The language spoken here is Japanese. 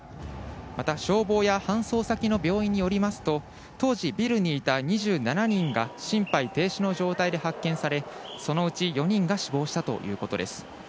また消防や、搬送先の病院によりますと、当時、ビルにいた２７人が心肺停止の状態で発見され、そのうち４人が死亡したということです。